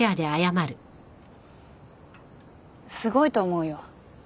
すごいと思うよ。